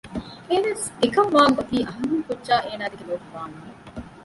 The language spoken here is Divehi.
އެހެނަސް އެކަންވާން އޮތީ އަންހެން ކުއްޖާ އޭނާދެކެ ލޯބިވާ ނަމަ